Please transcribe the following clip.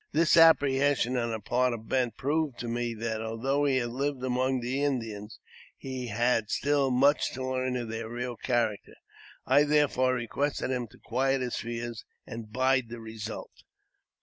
This apprehension on the part of Bent proved to me that, although he had lived among the Indians, he had still much to learn of their real character. I therefore requested him to quiet his fears and bide the result.